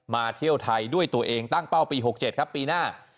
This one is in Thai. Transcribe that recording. เที่ยวไทยด้วยตัวเองตั้งเป้าปี๖๗ครับปีหน้า